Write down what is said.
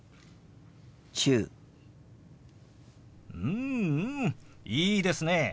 うんうんいいですね。